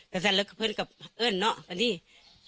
แต่ฉันแล้วก็เพื่อนกับเอิ้นเนาะกันที่นี่